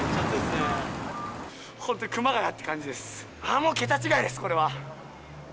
本当、熊谷って感じです。